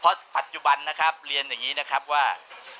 เพราะถึงปัจจุบันเรียนอย่างงี้นะครับว่า